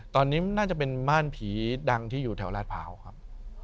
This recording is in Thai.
ตอนนี้น่าจะเป็นม่านผีดังที่อยู่แถวราชพร้าวครับ